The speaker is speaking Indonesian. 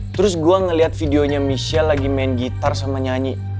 terus gue ngeliat videonya michelle lagi main gitar sama nyanyi